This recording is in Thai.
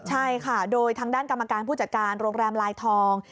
ใช่ค่ะโดยทางด้านกรรมการผู้จัดการโรงแรมลายทอง